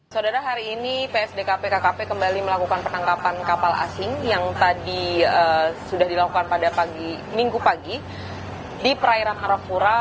saudara hari ini psdkpkkp kembali melakukan penangkapan kapal asing yang tadi sudah dilakukan pada minggu pagi di perairan arafura